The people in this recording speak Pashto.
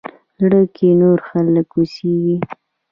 زړه کښې نور خلق اوسيږي